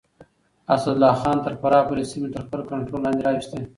اسدالله خان تر فراه پورې سيمې تر خپل کنټرول لاندې راوستې.